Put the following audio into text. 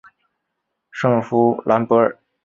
圣夫兰博尔。